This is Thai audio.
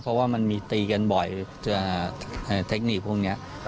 เพราะว่ามันมีตีกันบ่อยเทคนิคพวกนี้